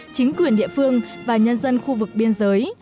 chính quyền địa phương và nhân dân khu vực biên giới